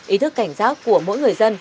ý thức cảnh giác của mỗi người dân